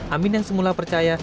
amin yang semula percaya